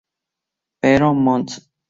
Pero Mons.